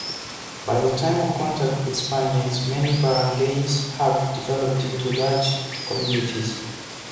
By the time of contact with Spaniards, many barangays have developed into large communities.